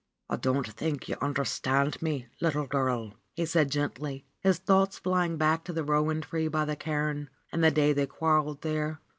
"I don't think you understand me, little girl," he said gently, his thoughts flying back to the rowan tree by the cairn and the day they quarreled there.